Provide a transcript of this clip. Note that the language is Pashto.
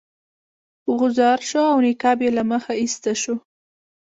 غوځار شو او نقاب یې له مخه ایسته شو.